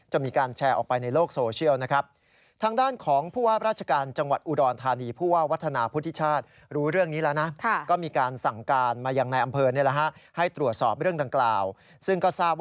มีการแชร์ออกไปในโลกโซเชียลนะครับ